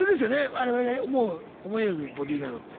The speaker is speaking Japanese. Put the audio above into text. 我々が思い描くボディーガードって。